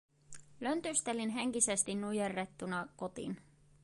Löntystelin henkisesti nujerrettuna kotiin.